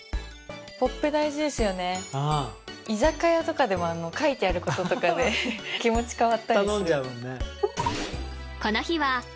ポップ大事ですよねうん居酒屋とかでも書いてあることとかで気持ち変わったり頼んじゃうもんね